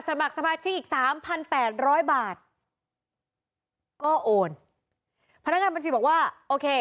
สมัครสมาชิกอีกสามพันแปดร้อยบาทก็โอนพนักงานบัญชีบอกว่าโอเค